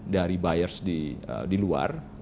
dari buyers di luar